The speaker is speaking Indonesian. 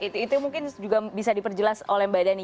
itu mungkin juga bisa diperjelas oleh mbak dhani